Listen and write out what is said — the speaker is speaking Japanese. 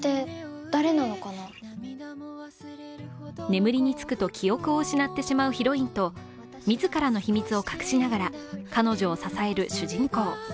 眠りにつくと記憶を失ってしまうヒロインと、自らの秘密を隠しながら彼女を支える主人公。